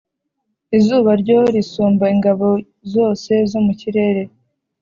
Izuba ryo risumba ingabo zose zo mu kirere,